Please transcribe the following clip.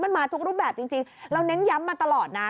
มันมาทุกรูปแบบจริงเราเน้นย้ำมาตลอดนะ